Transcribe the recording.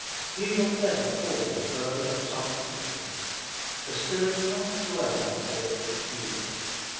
He will ever form the burden of such teaching. The Spirit cannot dwell on aught but Jesus.